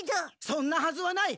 そんなはずはない！